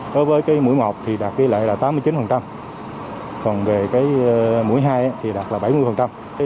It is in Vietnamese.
đối với mũi một thì đạt tỷ lệ là tám mươi chín còn về mũi hai thì đạt là bảy mươi